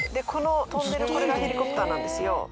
この飛んでるこれがヘリコプターなんですよ。